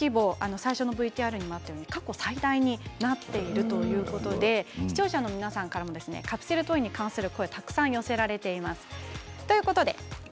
最初のＶＴＲにもあったように過去最大になっているということで視聴者の皆様からも皆さんからもカプセルトイに関する声がたくさん寄せられています。